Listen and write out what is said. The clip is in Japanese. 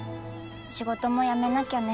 仕事も辞めなきゃね。